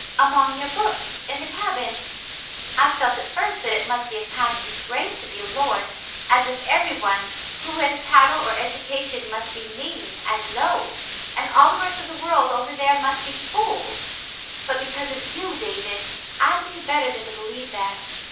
"Among your books in the cabin. I felt at first that it must be a kind of a disgrace to be a lord — as if every one who had a title or education must be mean and low, and The Shadow Lifts 309 all the rest of the world over there must be fools; but because of you, David, I knew better than to believe that.